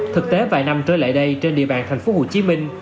thực tế vài năm trở lại đây trên địa bàn thành phố hồ chí minh